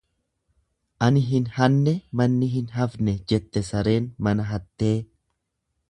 Ani hin hanne manni hin hafne jette sareen mana hattee.